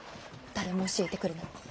誰も教えてくれない。